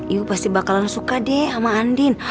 ibu pasti bakalan suka deh sama andin